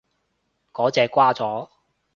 嗰隻掛咗